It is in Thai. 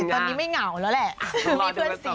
ตอนนี้ไม่เหงาแล้วแหละ